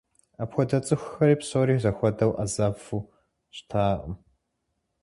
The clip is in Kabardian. Апхуэдэ цӏыхухэри псори зэхуэдэу ӏэзэфу щытакъым.